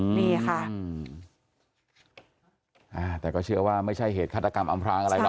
นี่ค่ะแต่ก็เชื่อว่าไม่ใช่เหตุฆาตกรรมอำพลางอะไรหรอ